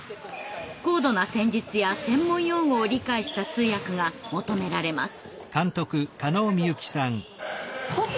高度な戦術や専門用語を理解した通訳が求められます。